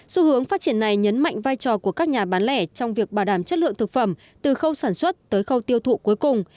xu hướng phát triển này nhấn mạnh vai trò của các nhà bán lẻ trong việc bảo đảm chất lượng thực phẩm từ khâu sản xuất tới khâu tiêu thụ cuối cùng